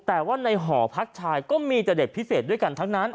แต่ว่าในหอพักชายก็มีแต่เด็กพิเศษด้วยกันทั้งนั้น